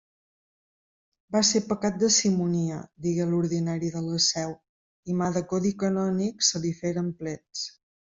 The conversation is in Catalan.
Va ser pecat de simonia, digué l'ordinari de la Seu, i mà de codi canònic se li feren plets.